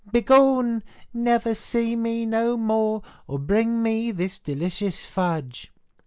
Begone! never see me more, or bring me this delicious fudge.